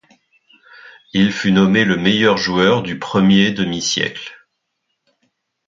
Il fut nommé le meilleur joueur du premier demi-siècle.